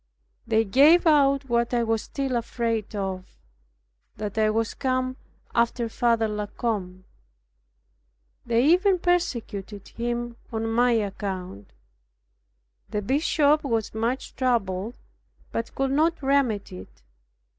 They gave out what I was still afraid of, that I was come after Father La Combe. They even persecuted him on my account. The bishop was much troubled, but could not remedy it.